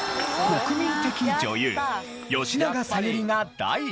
国民的女優吉永小百合が第１位。